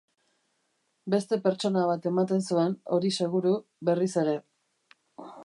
Beste pertsona bat ematen zuen, hori seguru, berriz ere.